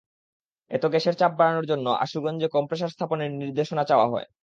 এতে গ্যাসের চাপ বাড়ানোর জন্য আশুগঞ্জে কমপ্রেসার স্থাপনের নির্দেশনা চাওয়া হয়।